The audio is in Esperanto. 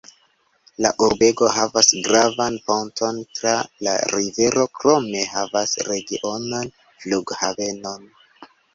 La urbego havas gravan ponton tra la rivero krome havas regionan flughavenon.